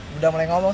sudah mulai ngomong